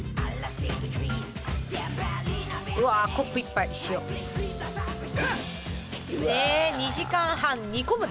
うわコップ１杯塩。え２時間半煮込むだけ？